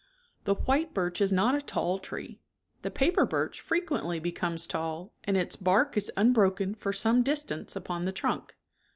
The white birch is not a tall tree ; the paper birch frequently becomes tall, and its bark is unbroken for some distance upon the trunk.